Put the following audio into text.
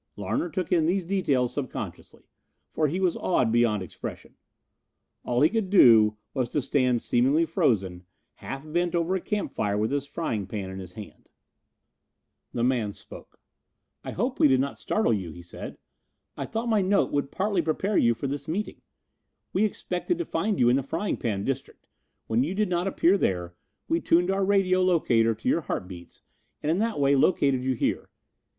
Larner took in these details subconsciously, for he was awed beyond expression. All he could do was to stand seemingly frozen, half bent over the campfire with his frying pan in his hand. The man spoke. "I hope we did not startle you," he said. "I thought my note would partly prepare you for this meeting. We expected to find you in the Frying Pan district. When you did not appear there we tuned our radio locator to your heart beats and in that way located you here.